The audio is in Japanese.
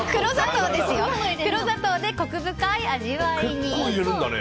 黒砂糖でコク深い味わいに！